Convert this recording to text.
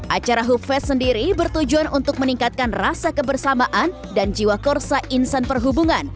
acara huffest sendiri bertujuan untuk meningkatkan rasa kebersamaan dan jiwa korsa insan perhubungan